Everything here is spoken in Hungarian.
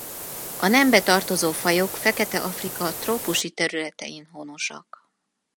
A nembe tartozó fajok Fekete-Afrika trópusi területein honosak.